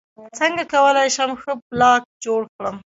څنګه کولی شم ښه بلاګ جوړ کړم